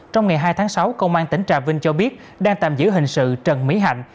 trong ngày hai tháng sáu công an tỉnh trà vinh cho biết đang tạm giữ hình sự trần mỹ hạnh